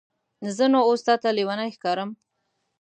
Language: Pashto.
زه نو اوس تاته لیونی ښکارم؟